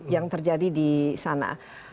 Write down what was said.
yang terjadi di sana